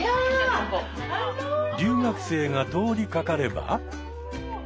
留学生が通りかかれば。